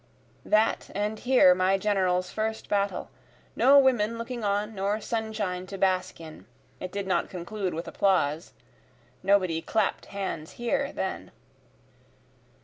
That and here my General's first battle, No women looking on nor sunshine to bask in, it did not conclude with applause, Nobody clapp'd hands here then.